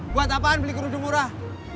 buat apaan beli kerudung murah